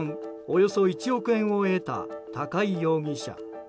およそ１億円を得た高井容疑者。